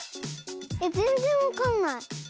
えっぜんぜんわかんない。